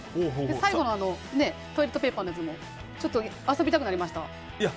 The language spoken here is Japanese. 最後のトイレットペーパーのやつも遊びたくなりました。